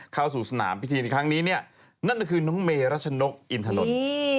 เข้าสู่สนามพิธีในครั้งนี้เนี่ยนั่นก็คือน้องเมรัชนกอินถนน